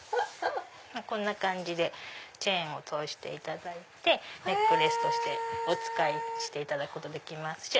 こんな感じでチェーンを通していただいてネックレスとしてお使いしていただくことできますし。